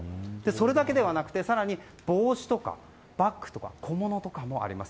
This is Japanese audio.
それだけではなくて更に帽子やバッグなど小物もあります。